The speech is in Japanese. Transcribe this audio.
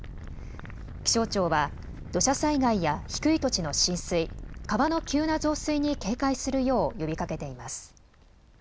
気象庁は土砂災害や低い土地の浸水、川の急な増水に警戒するよう呼びかけています。